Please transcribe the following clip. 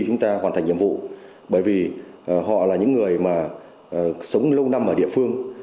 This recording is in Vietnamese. chúng ta hoàn thành nhiệm vụ bởi vì họ là những người mà sống lâu năm ở địa phương